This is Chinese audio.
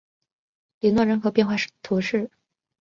里诺人口变化图示